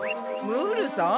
ムールさん？